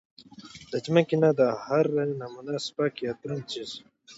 د زمکې نه د هر نمونه سپک يا درون څيز